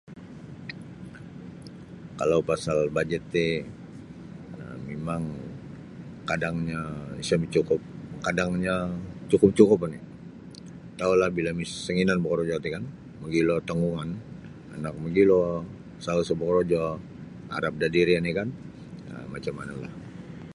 Kalau pasal bajet ti mimang kadangnyo isa micukup kadangnyo cukup-cukup oni' taulah bila mis sanginan bokorojo ti kan mogilo tanggungan anak mogilo sawu isa' bokorojo arap da diri' oni kan macam manulah.